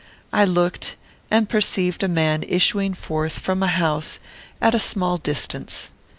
I looked, and perceived a man issuing forth from a house at a small distance.